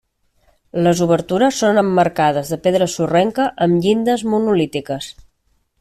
Les obertures són emmarcades de pedra sorrenca amb llindes monolítiques.